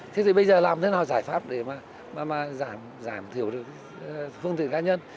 thế thì bây giờ làm thế nào giải pháp để mà giảm thiểu được phương tiện cá nhân